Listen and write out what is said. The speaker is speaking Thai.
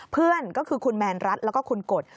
เพื่อนก็คือคุณแมนรัฐแล้วก็คุณกฎ